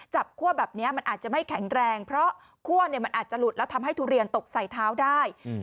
คั่วแบบนี้มันอาจจะไม่แข็งแรงเพราะคั่วเนี่ยมันอาจจะหลุดแล้วทำให้ทุเรียนตกใส่เท้าได้อืม